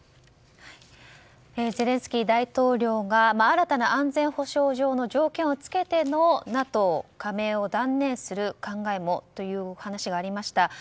ゼレンスキー大統領が、新たな安全保障上の条件を付けてのＮＡＴＯ加盟を断念する考えもという話がありました。